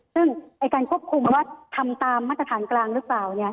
ซึ่งการควบคุมว่าทำตามมาตรฐานกลางหรือเปล่า